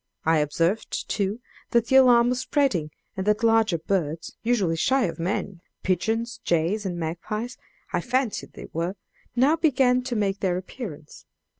I observed, too, that the alarm was spreading, and that larger birds, usually shy of men pigeons, jays, and magpies, I fancied they were now began to make their appearance.